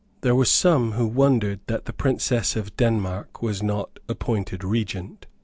There were some who wondered that the Princess of Denmark was not appointed Regent.